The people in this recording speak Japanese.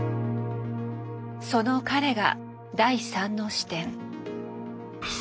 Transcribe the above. その彼が第３の視点。